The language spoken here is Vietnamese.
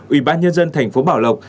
ủy ban nhân dân thành phố bảo lộc